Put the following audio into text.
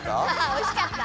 おいしかった？